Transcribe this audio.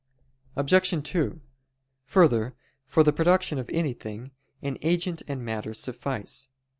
Obj. 2: Further, for the production of anything, an agent and matter suffice.